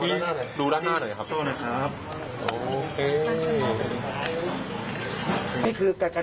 เมื่อยครับเมื่อยครับ